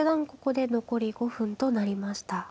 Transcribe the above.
ここで残り５分となりました。